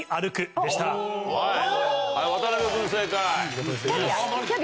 はい渡辺君正解。